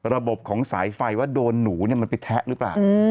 ระบบของสายไฟว่าโดนหนูมันไปแทะหรือเปล่า